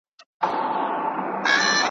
ناروا ورته عادي سم غم یې نه خوري ,